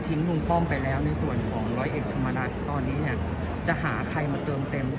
ทิ้งลุงป้อมไปแล้วในส่วนของร้อยเอ็ดธรรมดาตอนนี้เนี้ย